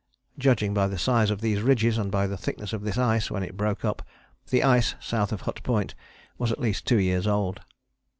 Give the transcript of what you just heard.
Judging by the size of these ridges and by the thickness of this ice when it broke up, the ice south of Hut Point was at least two years old.